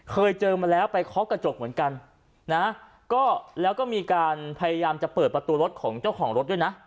เคยเจอมาแล้วไปเคาะกระจกเหมือนกันนะก็แล้วก็มีการพยายามจะเปิดประตูรถของเจ้าของรถด้วยนะ